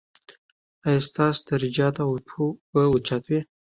ایا ستاسو درجات به اوچت وي؟